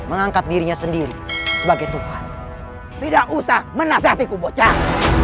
mengangkat dirinya sendiri sebagai tuhan tidak usah menasihatiku bocah